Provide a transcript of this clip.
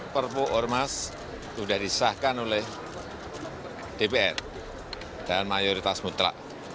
perpu ormas sudah disahkan oleh dpr dan mayoritas mutlak